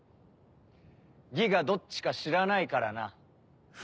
魏がどっちか知らないからな。